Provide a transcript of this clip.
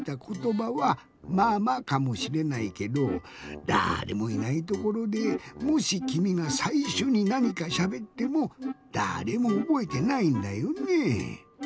ことばは「ママ」かもしれないけどだれもいないところでもしきみがさいしょになにかしゃべってもだれもおぼえてないんだよねぇ。